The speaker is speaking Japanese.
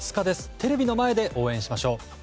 テレビの前で応援しましょう。